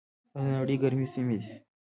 دا د نړۍ ګرمې سیمې دي.